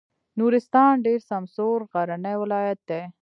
نورستان ډېر سمسور غرنی ولایت دی.